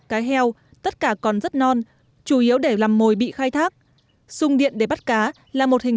cá heo tất cả còn rất non chủ yếu để làm mồi bị khai thác xung điện để bắt cá là một hình